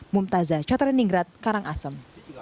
mumtazza chateriningrat karangasem